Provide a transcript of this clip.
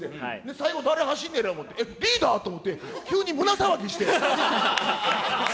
最後、誰はしんのやろと思ったら、リーダー？と思って、急に胸騒ぎして。